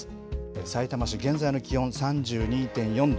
さいたま市、現在の気温３２．４度。